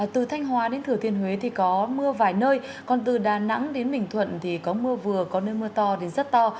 từ thanh hóa đến thừa thiên huế thì có mưa vài nơi còn từ đà nẵng đến bình thuận thì có mưa vừa có nơi mưa to đến rất to